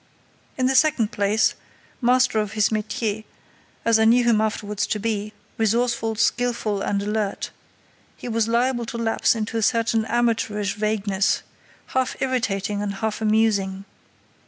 In the second place, master of his métier, as I knew him afterwards to be, resourceful, skilful, and alert, he was liable to lapse into a certain amateurish vagueness, half irritating and half amusing.